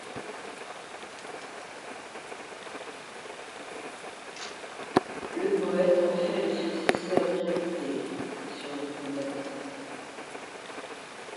Le poète en fait le successeur d'Érechthée sur le trône d'Athènes.